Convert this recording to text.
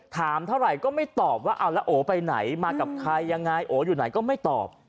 ถามเท่าไหร่ก็ไม่ตอบว่าเอาแล้วโอ๋ไปไหนมากับใครยังไงโออยู่ไหนก็ไม่ตอบ